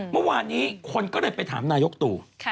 เมื่อวานนี้คนก็เลยไปถามนายกตู่